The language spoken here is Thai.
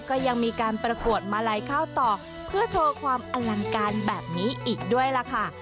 ก็ยังมีการประกวดมาลัยข้าวตอกเพื่อโชว์ความอลังการแบบนี้อีกด้วยล่ะค่ะ